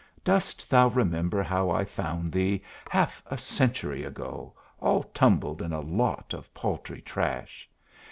Dost thou remember how I found thee half a century ago all tumbled in a lot of paltry trash?